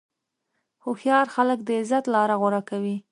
هوښیار خلک د عزت لاره غوره کوي.